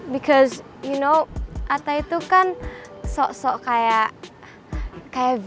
because you know ata itu kan sosok kayak kayak v